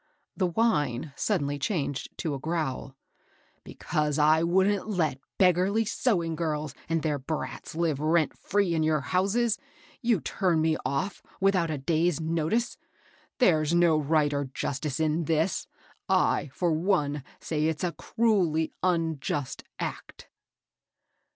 The whine suddenly changed to a growl. "Because I wouldn't let beggarly sewing girls and their brats live rent free in your houses, you turn me off without a day's notice I There's no right or justice in all this. I^ for one, say it's a cruelly unjust act."